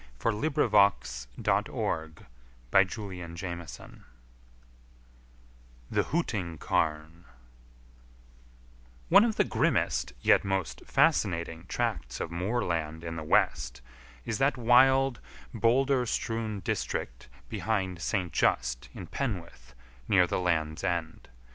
[Illustration: The Lizard] THE HOOTING CARN One of the grimmest yet most fascinating tracts of moorland in the West is that wild, boulder strewn district behind St. Just in Penwith, near the Land's End.